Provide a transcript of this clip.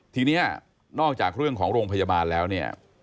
ทีนี้นอกจากเรื่องของโรงพยาบาลแล้วเนี่ย